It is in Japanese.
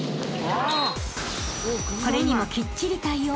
［これにもきっちり対応］